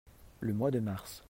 Le mois de mars.